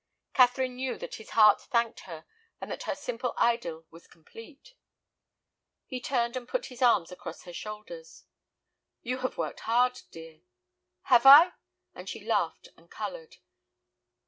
Catherine knew that his heart thanked her, and that her simple idyl was complete. He turned and put his arm across her shoulders. "You have worked hard, dear." "Have I?" and she laughed and colored.